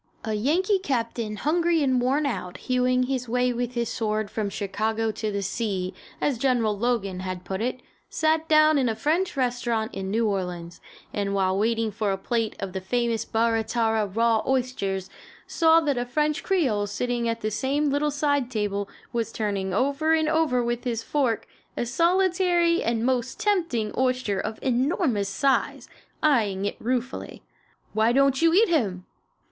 A Yankee captain, hungry and worn out hewing his way with his sword from Chicago to the sea, as General Logan had put it, sat down in a French restaurant in New Orleans, and while waiting for a plate of the famous Barra Tarra raw oysters, saw that a French creole sitting at the same little side table was turning over and over with his fork a solitary and most tempting oyster of enormous size, eyeing it ruefully. "Why don't you eat him?"